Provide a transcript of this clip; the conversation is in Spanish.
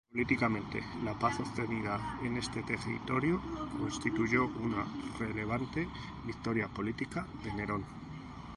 Políticamente, la paz obtenida en ese territorio constituyó una relevante victoria política de Nerón.